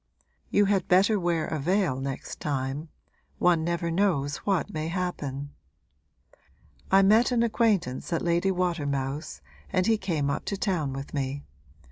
You had better wear a veil next time one never knows what may happen. I met an acquaintance at Lady Watermouth's and he came up to town with me.